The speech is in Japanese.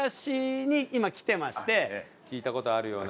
聞いた事あるような。